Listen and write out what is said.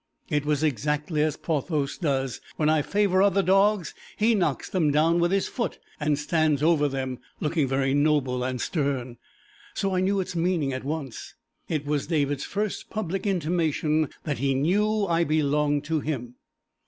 It was exactly as Porthos does, when I favour other dogs (he knocks them down with his foot and stands over them, looking very noble and stern), so I knew its meaning at once; it was David's first public intimation that he knew I belonged to him.